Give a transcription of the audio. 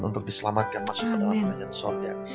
untuk diselamatkan masuk ke dalam kerajaan sorga